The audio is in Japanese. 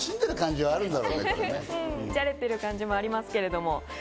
じゃれてる感じもありますけど。